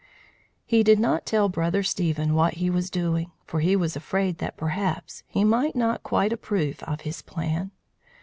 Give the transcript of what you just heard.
He did not tell Brother Stephen what he was doing, for he was afraid that perhaps he might not quite approve of his plan.